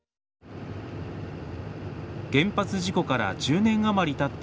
原発事故から１０年余りたった